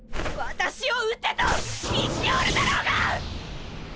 私を討てと言っておるだろうが！